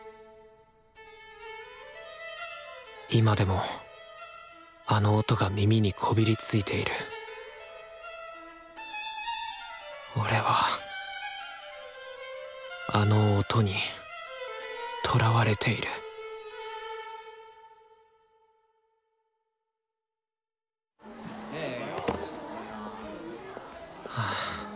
今でもあの音が耳にこびりついている俺はあの「音」にとらわれているはぁ